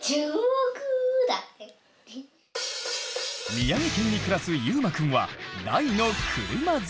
宮城県に暮らすゆうまくんは大の車好き。